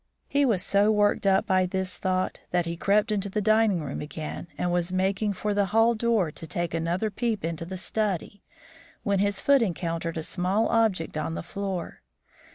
He was so worked up by this thought that he crept into the dining room again and was making for the hall door to take another peep into the study, when his foot encountered a small object on the floor.